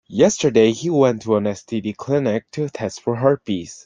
Yesterday, he went to an STD clinic to test for herpes.